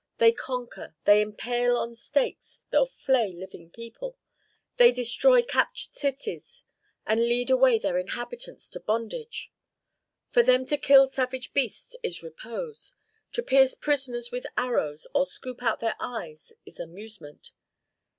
They conquer, they impale on stakes or flay living people, they destroy captured cities and lead away their inhabitants to bondage. For them to kill savage beasts is repose; to pierce prisoners with arrows or scoop out their eyes is amusement.